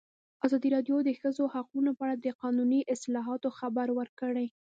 ازادي راډیو د د ښځو حقونه په اړه د قانوني اصلاحاتو خبر ورکړی.